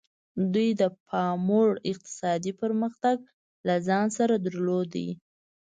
دوی د پاموړ اقتصادي پرمختګ له ځان سره درلود.